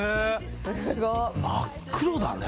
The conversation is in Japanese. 真っ黒だね